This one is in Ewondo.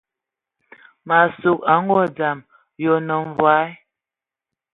Ma sug a ngɔ dzam, yi onə mvɔí ?